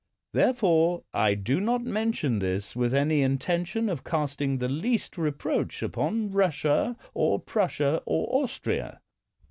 Therefore I do not mention this with any intention of casting the least reproach upon Russia, or Prussia, or Austria.